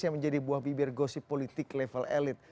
yang menjadi buah bibir gosip politik level elit